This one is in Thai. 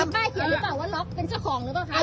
ป้าเขียนหรือเปล่าว่าล็อกเป็นเจ้าของหรือเปล่าคะ